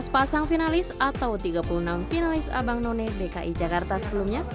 lima belas pasang finalis atau tiga puluh enam finalis abang none dki jakarta sebelumnya